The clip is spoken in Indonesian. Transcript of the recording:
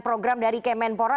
program dari kemenpora